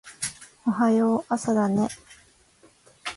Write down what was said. おはよう朝だね